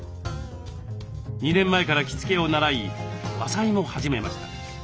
２年前から着付けを習い和裁も始めました。